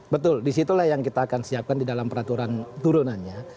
betul disitulah yang kita akan siapkan di dalam peraturan turunannya